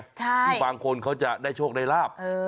ที่บางคนเขาจะได้โชคได้ลาบ